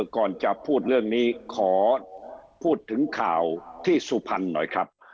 ก่อนจะพูดเรื่องนี้ขอพูดถึงข่าวที่สุพรรณหน่อยครับ